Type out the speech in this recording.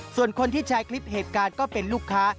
ส่วนคนที่แชร์คลิปเหตุการณ์ก็เป็นลูกค้า